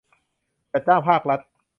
จัดจ้างภาครัฐ